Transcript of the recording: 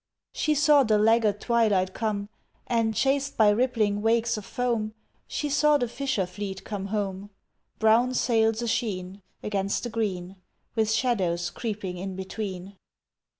She saw the laggard twilight come And, chased by rippling wakes of foam, She saw the fisher fleet come home Brown sails a sheen Against the green With shadows creeping in between!